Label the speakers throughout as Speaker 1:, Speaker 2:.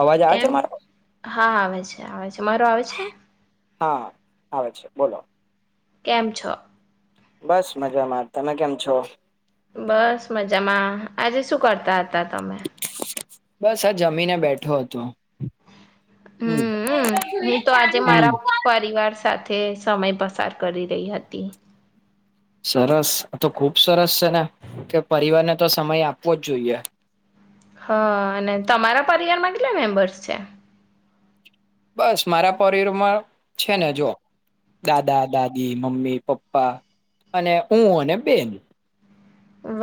Speaker 1: અવાજ આવે છે
Speaker 2: કેમ
Speaker 1: મારો
Speaker 2: હા આવે છે આવે છે મારો આવે છે
Speaker 1: હા આવે છે બોલો
Speaker 2: કેમ છો
Speaker 1: બસ મજામાં તમે કેમ છો
Speaker 2: બસ મજામાં આજે શું કરતા હતા તમે
Speaker 1: બસ આ જમીને બેઠો હતો
Speaker 2: હમ હું તો આજે મારા પરિવાર સાથે તે સમય પસાર કરી રહી હતી
Speaker 1: સરસ તો ખુબ સરસ છે ને કે પરિવારને તો સમય આપવો જ જોઈએ
Speaker 2: હા અને તમારા પરિવારમાં કેટલા મેમ્બર્સ છે
Speaker 1: બસ મારા પરિરમાં છેને જો દાદા દાદી મમ્મી પપ્પા અને હું અને બેન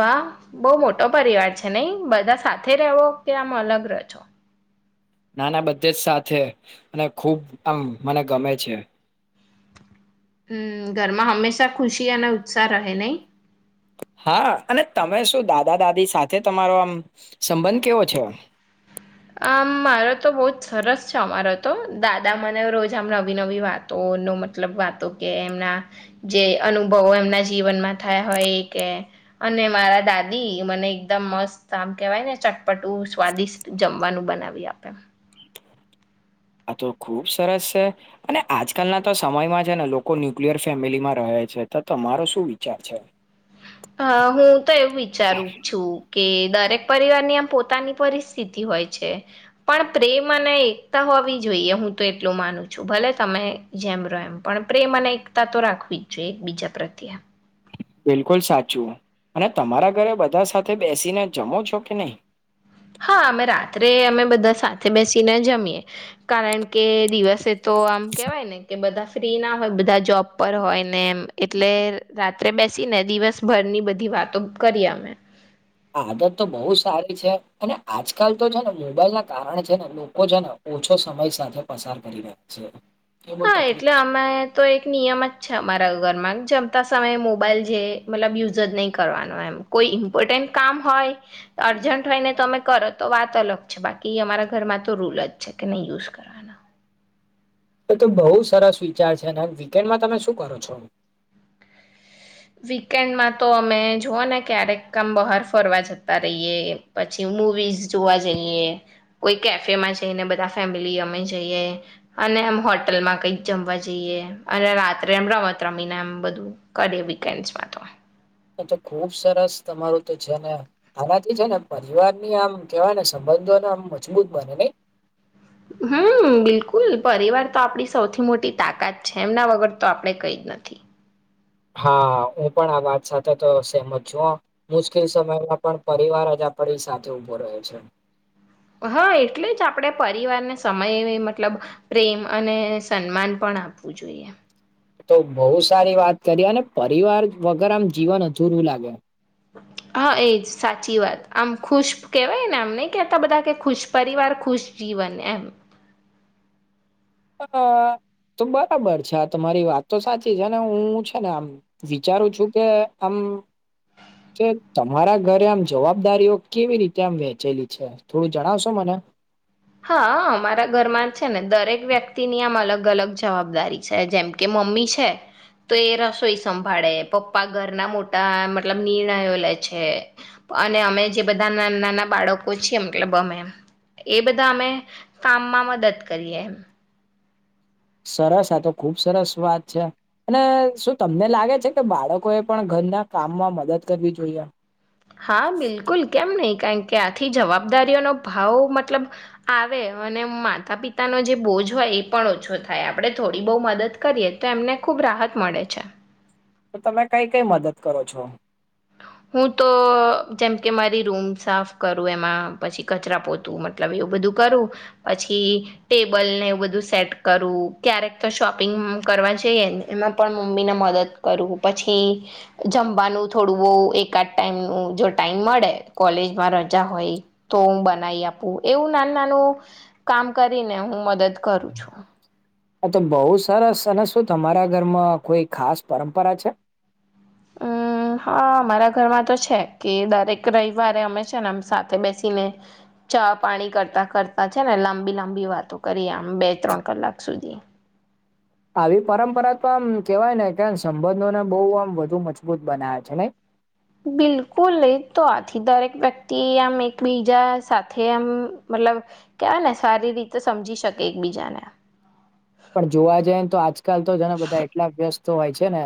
Speaker 2: વાહ બહુ મોટો પરિવાર છે નહી બધા સાથે રહેવો કે આમ અલગ રોહ છો
Speaker 1: નાના બધે જ સાથે અને ખૂબ આમ મને ગમે છે
Speaker 2: હમ ઘરમાં હંમેશા ખુશી અને ઉત્સાહ રહે નહી
Speaker 1: હા અને તમે શું દાદા દાદી સાથે તમારો આમ સંબંધ કેવો છે
Speaker 2: આમ મારો તો બહ જ સરસ છે અમારો તો દાદા મને રોજ આમ નવી નવી વાતો ન મતલબ વાતો કે એમના જે અનુભવો એમના જીવનમાં થયા હોય એ કે અને મારા દાદી મને એકદમ મસ્ત આમ કેવાય ને ચટપટું સ્વાદિષ્ટ જમવાનું બનાવી આપે
Speaker 1: આ તો ખુબ સરસ છે અને આજકાલના તો સમયમાં છે ને લોકો ન્યુક્લિયર ફેમિલીમાં રહે છે તો તમારો શું વિચાર છે
Speaker 2: હ હું તો એવું વિચારું છું. કે દરેક પરિવારની આમ પોતાની પરિસ્થિતિ હોય છે પણ પ્રેમ અને એકતા હોવી જોઈએ હું તો એટલું માનું છું ભલે તમે જેમ રો એમ પણ પ્રેમ અને એકતા તો રાખવી જ જોઈએ એક બીજા પ્રત્યે
Speaker 1: બિલકુલ સાચું અને તમારા ઘરે બધા સાથે બેસીને જમો છો કે નહી.
Speaker 2: હા અમે રાત્રે અમે બધા સાથે બેસીને જમીએ કારણ કે દિવસે તો આમ કેવાય ને કે બધા ફ્રી ના હોય બધા જોબ પર હોય ને એમ એટલે રાત્રે બેસી ને દિવસભરની બધી વાતો કરીએ અમે.
Speaker 1: આદત તો બહુ સારી છે. અને આજકાલ તો છે ને મોબાઈલ ના કારણે છે ને લોકો છે ને ઓછો સમય સાથે પસાર કરી રહ્યા છે. એ બહુ
Speaker 2: હા
Speaker 1: તકલીફ
Speaker 2: એટલે
Speaker 1: છે.
Speaker 2: અમે તો એક નિયમ જ છે અમારા ઘરમાં જમતા સમય મોબાઈલ જે મતલબ યુઝ જ નહીં કરવાનું એમ કોઈ ઈમ્પોર્ટન્ટ કામ હોય અર્જન્ટ હોય ને તમે કરો તો વાત અલગ છે બાકી અમારા ઘરમાં તો રૂલ જ છે કે નહી યુઝ કરવાનો
Speaker 1: તો બહુ સરસ વિચાર છે અને વીકેન્ડમાં તમે શું કરો છો
Speaker 2: વીકેન્ડમાં તો અમે જોઓ ને ક્યારેક આમ બહાર ફરવા જતા રહીએ પછી મુવીઝ જોવા જઈએ કોઈ કેફેમાં જઈને બધા ફેમિલી અમે જઈએ અને એમ હોટલમાં કઈક જમવા જઈએ અને રાત્રે એમ રમત રમીને એમ બધું કરીએ કેન્સમાં તો
Speaker 1: તો ખુબ સરસ તમારું તો છે ને આનાથી છે ને પરિવારની બી આમ કેવાય ને સંબંધોને આમ મજબૂત બને નઈ
Speaker 2: હમ બિલકુલ પરિવાર તો આપડી સૌથી મોટી તાકાત છે એમના વગર તો આપણે કઈ જ નથી
Speaker 1: હા હું પણ આ વાત સાથે તો સહેમત છુ હ મુશ્કેલ સમયમાં પણ પરિવાર જ આપણી સાથે ઉભો રહ્યો છે
Speaker 2: હા એટલે જ આપણે પરિવારને સમય મતલબ પ્રેમ અને સન્માન પણ આપવુ જોઈએ
Speaker 1: તો બહુ સારી વાત કરી અને પરિવાર વગર આમ જીવન અધૂરું લાગે
Speaker 2: હા એજ સાચી વાત આમ ખુશ કેહેવાય ને આમ નહી કે આ બધા કે ખુશ પરિવાર ખુશ જીવન એમ
Speaker 1: તો બરાબર છે આ તમારી વાત તો સાચી છે અને હું છે ને આમ વિચારું છું કે આમ કે તમારા ઘરે આમ જવાબદારીઓ કેવી રીતે આમ વેંચેલી છે થોડુ જણાવશો મને
Speaker 2: હા અમારા ઘરમા જ છે ને દરેક વ્યક્તિ ની આમ અલગ અલગ જવાબદારી છે જેમ કે મમ્મી છે તો એ રસોઈ સંભાળે પપ્પા ઘરના મોટા મતલબ નિર્ણયો લે છે અને અમે જે બધા નાના નાના બાળકો છીએ મતલબ અમે એ બધા બધા અમે કામમા મદદ કરીએ એમ
Speaker 1: સરસ આ તો ખુબ સરસ વાત છે અને શું તમને લાગે છે કે બાળકો એ પણ ઘરના કામમા મદદ કરવી જોઈએ
Speaker 2: હા બિલકુલ કેમ નહી કારણ કે આખી જવાબદારીઓનો ભાવ મતલબ આવે અને માતા પિતાનો જે બોજ હોય એ પણ ઓછો થાય આપણે થોડી બહુ મદદ કરીએ તો એમને ખુબ રાહત મળે છે.
Speaker 1: તો તમે કઈ કઈ મદદ કરો છો.
Speaker 2: હું તો જેમ કે મારી રૂમ સાફ કરું એમા પછી કચરા પોતુ મતલબ એવુ બધુ કરું. પછી ટેબલ ને એવું બધુ સેટ કરું. ક્યારેક તો શોપિંગ કરવા જઈએને એમા પણ મમ્મી ને મદદ કરું પછી જમવાનુ થોડુ બહુ એકાદ ટાઈમનુ જો ટાઈમ મળે કોલેજમા રજા હોય તો હું બનાઈ આપુ. એવુ નાનુ-નાનુ કામ કરીને હું મદદ કરું છુ.
Speaker 1: આ તો બહુ સરસ અને શું તમારા ઘરમાં કોઈ ખાસ પરંપરા છે.
Speaker 2: અમમ હા અમારા ઘરમા તો છે કે દરેક રવિવારે અમે છે ને સાથે બેસીને ચા પાણી કરતા કરતા છે ને લાંબી લાંબી વાતો કરીએ આમ બે ત્રણ કલાક સુધી.
Speaker 1: આવી પરંપરા તો આમ કેવાય ને કે સંબંધોને બહું આમ વધુ મજબૂત બનાવે છે નઈ.
Speaker 2: બિલકુલ એતો આથી દરેક વ્યક્તિ આમ એકબીજા સાથે એમ મતલબ કેવાય ને સારી રીતે સમજી શકે એકબીજાને.
Speaker 1: પણ જોવા જઈ ને તો આજકાલ તો જણા બધા એટલા વ્યસ્ત હોય છે ને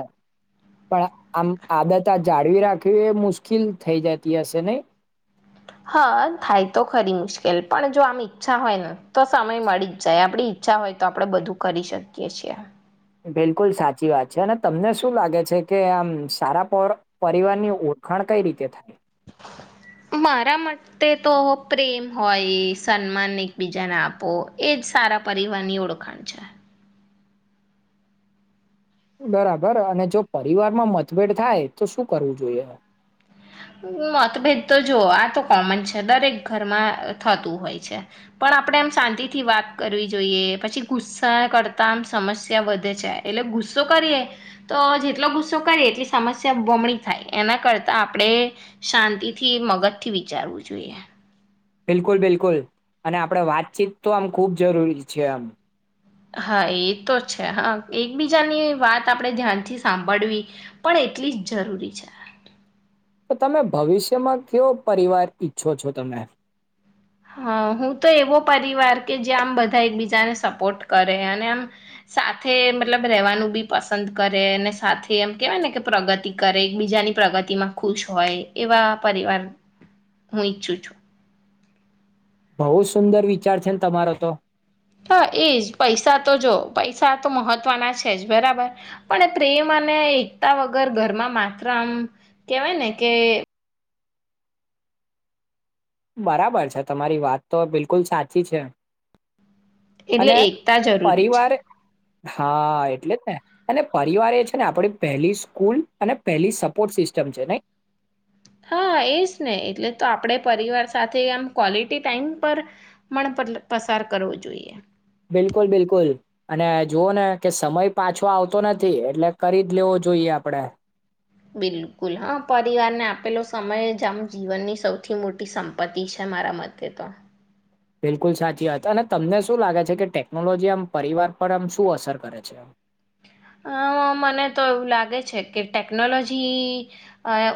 Speaker 1: પણ આમ આદત આ જાળવી રાખવી એ મુશ્કેલ થઈ જતી હશે નહી.
Speaker 2: હા થાય તો ખરી મુશ્કેલ પણ જો આમ ઈચ્છા હોય ને તો સમય મળી જ જાય આપડી ઈચ્છા હોય તો આપણેે બધુ કરી શકીએ છીએ.
Speaker 1: બિલકુલ સાચી વાત છે અને તમને શું લાગે છે કે આમ સારા પર પરિવારની ઓળખાણ કઈ રીતે થાય.
Speaker 2: મારા માટે તો પ્રેમ હોય, સન્માન એકબીજાને આપો એજ સારા પરિવારની ઓળખાણ છે.
Speaker 1: બરાબર અને જો પરિવારમા મતભેદ થાય તો શું કરવુ જોઈએ?
Speaker 2: હ મતભેદ તો જો આ તો કોમન છે દરેક ઘરમા થતુ હોય છે. પણ આપણે એમ શાંતિથી વાત કરવી જોઈએ, પછી ગુસ્સા કરતા આમ સમસ્યા વધે છે. એટલે ગુસ્સો કરીએ તો જેટલો ગુસ્સો કરીએ એટલી સમસ્યા બમણી થાય. એના કરતા આપણે શાંતિથી મગજથી વિચારવુ જોઈએ.
Speaker 1: બિલકુલ બિલકુલ અને આપણે વાતચીત તો આમ ખુબ જરૂરી છે આમ.
Speaker 2: હા એ તો છે હા એકબીજાની વાત આપણે ધ્યાનથી સાંભળવી પણ એટલી જ જરૂરી છે.
Speaker 1: તો તમે ભવિષ્યમાં કેવો પરિવાર ઈચ્છો છો તમે?
Speaker 2: હ હું તો એવો પરિવાર કે જે આમ બધા એકબીજાને સપોર્ટ કરે, અને આમ સાથે મતલબ રહેવાનું બી પસંદ કરે, અને સાથે એમ કેહેવાય ને કે પ્રગતિ કરે એકબીજાની પ્રગતિમાં ખુશ હોય એવા પરિવાર હું ઈચ્છું છું.
Speaker 1: બહુ સુંદર વિચાર છે ને તમારો તો.
Speaker 2: હા એજ પૈસા તો જો પૈસા તો મહત્વના છે. જ બરાબર પણ પ્રેમ અને એકતા વગર ઘરમામાત્ર આમ કેહેવાય ને કે
Speaker 1: બરાબર છે. તમારી વાત તો બિલકુલ સાચી છે.
Speaker 2: એટલે
Speaker 1: અને
Speaker 2: એકતા જરૂરી છે.
Speaker 1: પરિવાર હા એટલે જ ને અને પરિવાર એ છે ને આપડી પહેલી સ્કૂલ અને પહેલી સપોર્ટ સિસ્ટમ છે નહી!
Speaker 2: હા એજ ને એટલે તો આપણે પરિવાર સાથે આમ ક્વોલિટી ટાઈમ પર પણ પસાર કરવો જોઈએ
Speaker 1: બિલકુલ બિલકુલ. અને જોવો ને કે સમય પાછો આવતો નથી એટલે કરી જ લેવો જોઈએ આપડે.
Speaker 2: બિલકુલ હા પરિવારને આપેલો સમય જ આમ જીવનની સૌથી મોટી સંપત્તિ છે મારા મતે તો.
Speaker 1: બિલકુલ સાચી વાત અને તમને શું લાગે છે કે ટેકનોલોજી આમ પરિવાર પર આમ શું અસર કરે છે?
Speaker 2: અ મને તો એવુ લાગે છે કે ટેકનોલોજી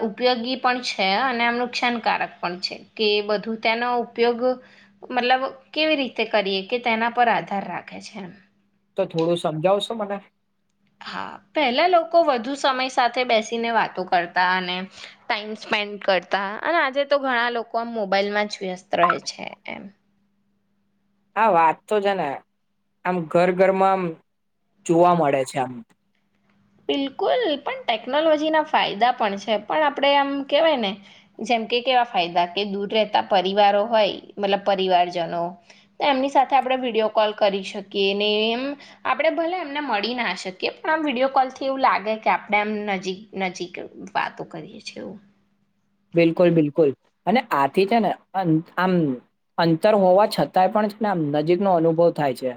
Speaker 2: ઉપયોગી પણ છે. અને આમ નુકસાનકારક પણ છે કે, બધુ તેનો ઉપયોગ મતલબ કેવી રીતે કરીએ કે તેના પર આધાર રાખે છે એમ.
Speaker 1: તો થોડુ સમજાવશો મને!
Speaker 2: હા પહેલા લોકો વધુ સમય સાથે બેસીને વાતો કરતા અને ટાઈમ સ્પેન્ડ કરતા અને આજે તો ઘણા લોકો આમ મોબાઈલમાં જ વ્યસ્ત રહે છે એમ.
Speaker 1: હા વાત તો છે, ને આમ ઘર ઘરમા આમ જોવા મળે છે આમ.
Speaker 2: બિલકુલ પણ ટેકનોલોજી ના ફાયદા પણ છે. પણ આપણે આમ કેહેવાય ને જેમ કે કેવા ફાયદા કે દૂર રહેતા પરિવારો હોય મતલબ પરિવારજનો તો એમની સાથે આપણે વિડીયો કોલ કરી શકીએ ને એમ આપણે ભલે એમને મળી ના શકીએ પણ આમ વિડીયો કોલ. થી એવું લાગે કે આપણે એમ નજીક નજીક વાતો કરીએ છેએ એવું.
Speaker 1: બિલકુલ બિલકુલ અને આથી છે ને આમ અંતર હોવા છતાંય પણ ને આમ નજીકનોો અનુભવ થાય છે.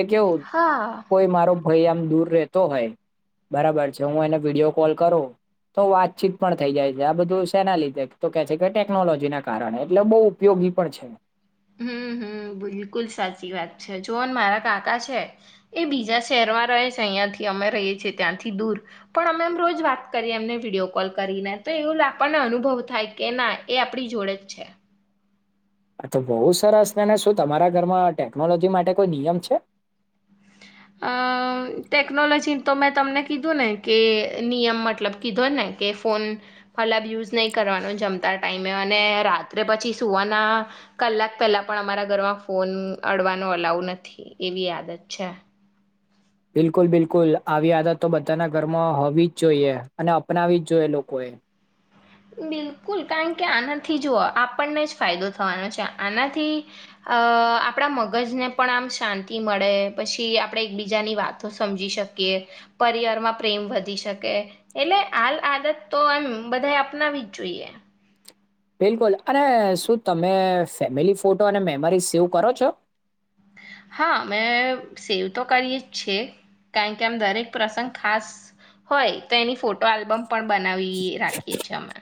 Speaker 1: એ કેવું
Speaker 2: હા
Speaker 1: કોઈ મારો. કોઈ આમ દૂર રહેતો હોય બરાબર છે, હું એને વિડીયો કોલ કરું તો વાતચીત પણ થઈ જાય છે આ બધું. તેના લીધે તો કે છે કે ટેકનોલોજી ના કારણે. એટલે બહુ ઉપયોગી પણ છે.
Speaker 2: હમ્મ હમ્મ બિલકુલ સાચી વાત છે. જોન મારા કાકા છે એ બીજા શહેરમાં રહે છે અહીંથી અમે રહીએ છીએ ત્યાંથી દૂર પણ અમે એમ રોજ વાત કરીએ એમને વિડીયો કોલ કરીને તો એવું આપણને અનુભવ થાય કે ના એ આપડી જોડે જ છે.
Speaker 1: હા તો બહુ સરસ નેને શું તમારા ઘરમાં ટેકનોલોજી માટે કોઈ નિયમ છે?
Speaker 2: અ ટેકનોલોજી તો મેં તમને કીધું ને કે નિયમ મતલબ કીધો ને કે ફોન અલાબ યુઝ નહીં કરવાનો જમતા ટાઈમે‌ અને રાત્રે પછી સુવાના કલાક પહેલા પણ અમારા ઘરમાં ફોન અડવાનો અલાઉ નથી એવી આદત છે.
Speaker 1: બિલકુલ બિલકુલ આવી આ હતા તો બધાના ઘરમાં હોવી જ જોઈએ અને અપનાવી જ જોઈએ લોકોએ.
Speaker 2: બિલકુલ કારણ કે આનાથી જુઓ આપણને જ ફાયદો થવાનો છે. આનાથી અ આપણા મગજને પણ આમ શાંતિ મળે પછી આપણે એકબીજાની વાતો સમજી શકીએ પરિવારમાં પ્રેમ વધી શકે એટલે હાલ આદત તો એમ બધા. અનાવી જ જોઈએ.
Speaker 1: બિલકુલ અને શું તમે ફેમિલી ફોટો અને મેમોરી સેવ કરો છો?
Speaker 2: હા મેં સેવ તો કરીએ જ છે. કારણ કે આમ દરેક પ્રસંગ ખાસ હોય તો એની ફોટો આલ્બમ. પણ બનાવી રાખીએ છીએ અમે.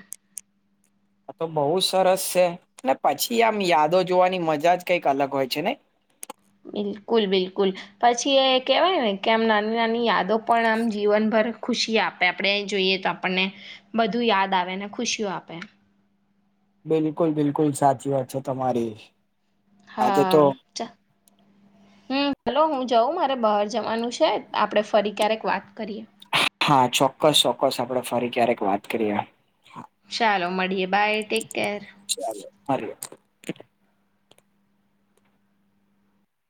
Speaker 1: આ તો બહુ સરસ છે પછી આમ યાદો જોવાની મજા જ કઈક અલગ હોય છે ને.
Speaker 2: બિલકુલ બિલકુલ પછી એ કેહેવાય ને કે આમ નાની નાની યાદો પણ આમ જીવનભર ખુશી આપે આપણેે એ જોઈએ તો આપણને બધું યાદ આવે ને ખુશીઓ આપે.
Speaker 1: બિલકુલ બિલકુલ સાચી વાત છે તમારી. આજે
Speaker 2: હા
Speaker 1: તો
Speaker 2: હમ્મ. હલો હું જાઉં મારે બહાર જવાનું છે આપડે ફરી ક્યારેક વાત કરીએ.
Speaker 1: હા ચોક્કસ ચોક્કસ આપડ ફરી ક્યારેક વાત કરીએ.
Speaker 2: ચાલો મળડીએ. Bye take care.
Speaker 1: મારી.